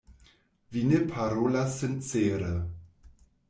Vi ne parolas sincere.